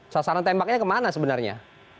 sasaran tembaknya kemana sebenarnya